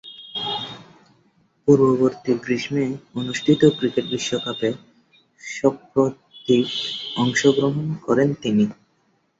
পূর্ববর্তী গ্রীষ্মে অনুষ্ঠিত ক্রিকেট বিশ্বকাপে সপ্রতিভ অংশগ্রহণ করেন তিনি।